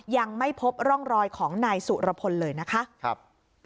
ยังไม่พบร่องรอยของนายสุรพลเลยนะคะครับ